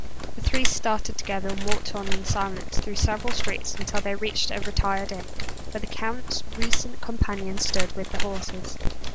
The three started together, and walked on in silence through several streets, until they reached a retired inn, where the count's recent companion stood, with the horses.